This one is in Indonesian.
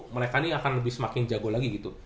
mereka ini akan lebih semakin jago lagi gitu